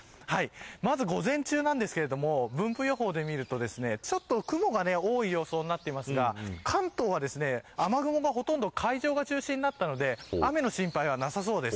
まず午前中なんですけれども分布予報で見るとちょっと雲が多い予想になっていますが関東は雨雲がほとんど海上が中心になったので雨の心配はなさそうです。